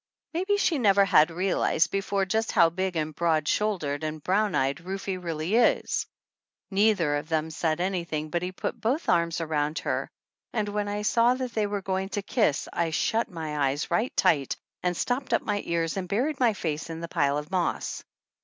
Maybe she never had realized before just how big and broad shouldered and brown eyed Rufe really 27 THE ANNALS OF ANN is ! Neither one of them said anything, but he put both arms around her ; and when I saw that they were going to kiss I shut my eyes right tight and stopped up my ears and buried my face in the pile of moss.